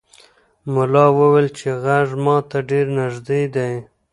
ملا وویل چې غږ ماته ډېر نږدې دی.